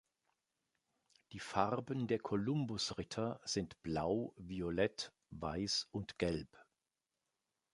Die Farben der Kolumbusritter sind blau, violett, weiß und gelb.